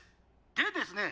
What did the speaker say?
でですね